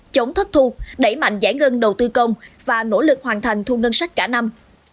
chống thất thu đẩy mạnh giải ngân đầu tư công và nỗ lực hoàn thành thu ngân sách cả năm